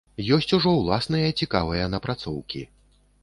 Ёсць ужо ўласныя цікавыя напрацоўкі.